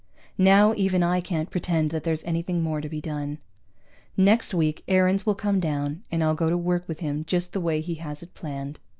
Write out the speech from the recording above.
Now even I can't pretend that there's anything more to be done. Next week Aarons will come down, and I'll go to work with him just the way he has it planned.